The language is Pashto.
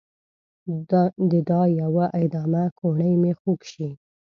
د دا يوه ادامه کوڼۍ مې خوږ شي